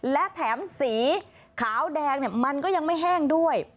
และแถมสีขาวแดงมันก็ยังไม่แห้งด้วย